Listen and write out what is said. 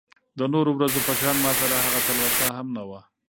د نورو ورځو په شان ماسره هغه تلوسه هم نه وه .